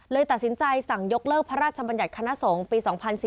ตัดสินใจสั่งยกเลิกพระราชบัญญัติคณะสงฆ์ปี๒๔๙